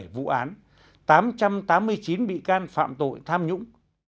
bốn trăm hai mươi bảy vụ án tám trăm tám mươi chín bị can phạm tội tham nhũng